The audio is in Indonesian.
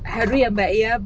haru ya mbak ia